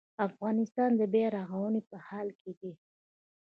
افغانستان د بیا رغونې په حال کې دی